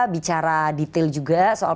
bicara detail juga soal